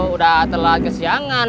udah telat kesiangan